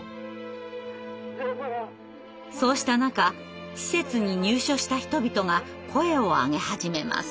そうした中施設に入所した人々が声を上げ始めます。